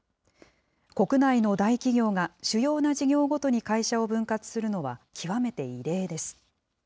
国内の大企業が主要な事業ごとに会社を分割するのは極めて異例です。